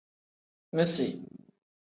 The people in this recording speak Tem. Misi.